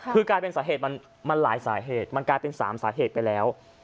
คือกลายเป็นสาเหตุมันหลายสาเหตุมันกลายเป็น๓สาเหตุไปแล้ว